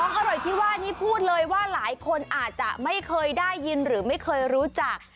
อร่อยที่ว่านี้พูดเลยว่าหลายคนอาจจะไม่เคยได้ยินหรือไม่เคยรู้จัก